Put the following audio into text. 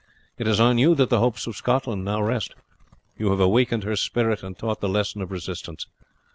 It is on you that the hopes of Scotland now rest. You have awakened her spirit and taught the lesson of resistance.